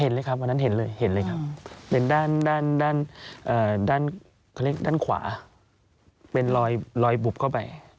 เห็นเลยครับวันนั้นเห็นเลยด้านขวาเป็นรอยบุบเข้าไป